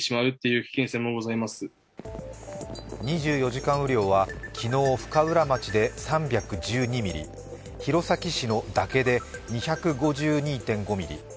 ２４時間雨量は昨日、深浦町で３１２ミリ、弘前市の岳で２５２．５ミリ。